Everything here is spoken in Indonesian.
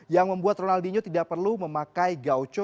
yang membuat ronaldinho tidak perlu memakai gaucho